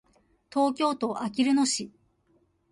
東京都あきる野市